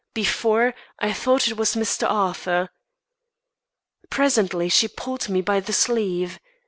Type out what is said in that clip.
Before, I thought it was Mr. Arthur. Presently, she pulled me by the sleeve.